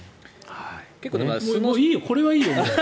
これはいいよ、もう。